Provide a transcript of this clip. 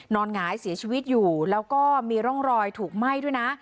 หงายเสียชีวิตอยู่แล้วก็มีร่องรอยถูกไหม้ด้วยนะ